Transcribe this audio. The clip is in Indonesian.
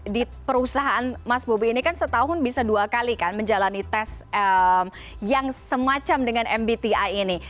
di perusahaan mas bobi ini kan setahun bisa dua kali kan menjalani tes yang semacam dengan mbti ini